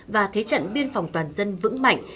và thế trận biên phòng toàn dân vững mạnh